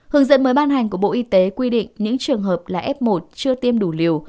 hướng dẫn mới ban hành của bộ y tế quy định những trường hợp là f một chưa tiêm đủ liều